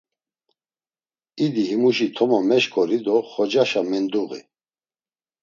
İdi himuşi toma meşǩori do xocaşa menduği.